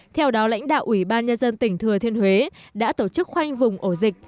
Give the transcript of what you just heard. theo đó lãnh đạo ủy ban nhân dân tỉnh thừa thiên huế đã tổ chức khoanh vùng ổ dịch